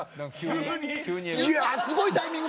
すごいタイミング。